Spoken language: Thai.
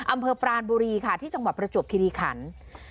อำเภอปรานบุรีค่ะที่จังหวัดประจวบคิริขัน